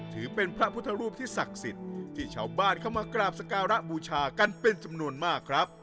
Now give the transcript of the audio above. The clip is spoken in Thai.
ถือเป็นพระพุทธรูปที่ศักดิ์สิทธิ์ที่ชาวบ้านเข้ามากราบสการะบูชากันเป็นจำนวนมากครับ